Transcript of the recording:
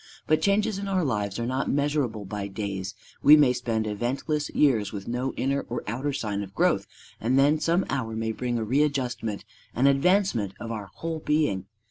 But changes in our lives are not measurable by days: we may spend eventless years with no inner or outer sign of growth, and then some hour may bring a readjustment, an advancement, of our whole being.